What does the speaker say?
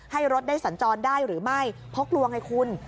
ให้รถได้สัญจรได้หรือไม่พกลวงให้คุณ